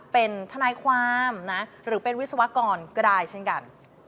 เป็นทนายความนะหรือเป็นวิศวกรก็ได้เช่นกัน